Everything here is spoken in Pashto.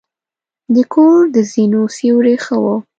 د کور د زینو سیوري ښه وه.